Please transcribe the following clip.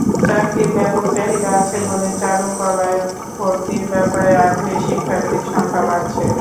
চাকরির ব্যাপক চাহিদা আছে বলেই চারুকলায় ভর্তির ব্যাপারে আগ্রহী শিক্ষার্থীর সংখ্যা বাড়ছে।